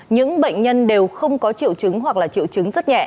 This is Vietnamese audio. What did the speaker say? những bệnh nhân đều không có triệu chứng hoặc triệu chứng